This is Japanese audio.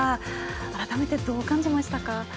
改めて、どう感じましたか。